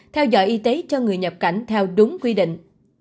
theo dõi y tế cho người nhập cảnh theo đúng quy định